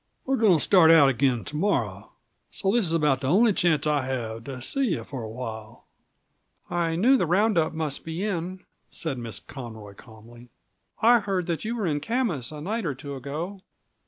"We're going to start out again to morrow, so this is about the only chance I'll have to see you for a while." "I knew the round up must be in," said Miss Conroy calmly. "I heard that you were in Camas a night or two ago."